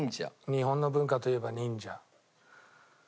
日本の文化といえば忍者。